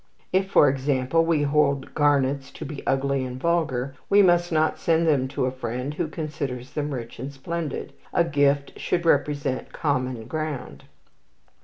If, for example, we hold garnets to be ugly and vulgar, we must not send them to a friend who considers them rich and splendid. "A gift should represent common ground."